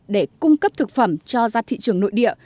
để cung cấp thực phẩm cho ra thị trường nội địa